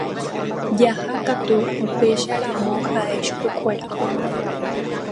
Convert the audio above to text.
Jahákatu upécharamo ha'e chupekuéra